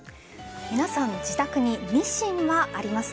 皆さん自宅にミシンはありますか？